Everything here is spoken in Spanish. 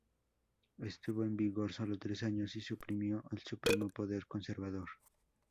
Estuvo en vigor solo tres años y suprimió el supremo poder conservador.